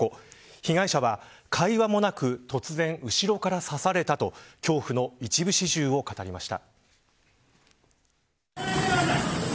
被害者は、会話もなく突然、後ろから刺されたと恐怖の一部始終をかたりました。